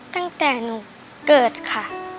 ตั้งแต่หนูเกิดค่ะ